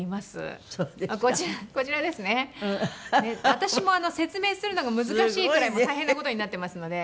私も説明するのが難しいくらい大変な事になっていますので。